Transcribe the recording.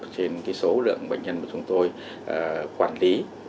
trên số lượng bệnh nhân mà chúng tôi quản lý